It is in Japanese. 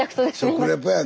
食レポや。